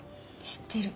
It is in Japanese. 知ってる。